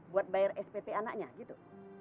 buat bayar spt anaknya gitu